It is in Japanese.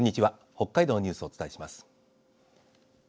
北海道のニュースをお伝えします。